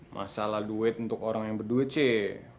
masalah duit untuk orang yang berduit sih